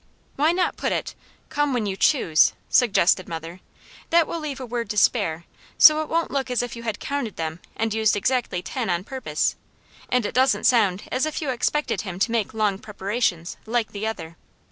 "Why not put it, 'Come when you choose?'" suggested mother. "That will leave a word to spare, so it won't look as if you had counted them and used exactly ten on purpose, and it doesn't sound as if you expected him to make long preparations, like the other.